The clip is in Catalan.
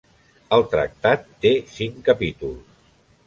El tractat té cinc capítols.